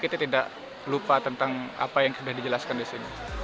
kita tidak lupa tentang apa yang sudah dijelaskan di sini